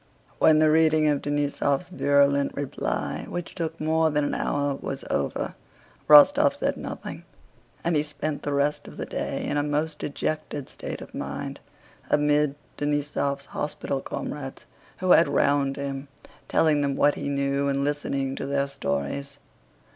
When the reading of Denísov's virulent reply, which took more than an hour, was over, Rostóv said nothing, and he spent the rest of the day in a most dejected state of mind amid Denísov's hospital comrades, who had gathered round him, telling them what he knew and listening to their stories.